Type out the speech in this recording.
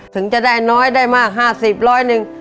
ถึงจะได้น้อยได้มาก๕๐ร้อยหนึ่ง